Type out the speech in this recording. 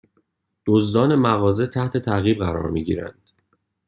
دزدان مغازه تحت تعقیب قرار می گیرند